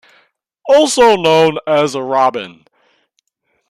Also known as Robin.